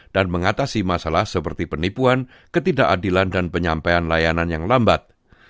dan mengatasi masalah seperti penipuan ketidakadilan dan penyampaian layanan yang lambat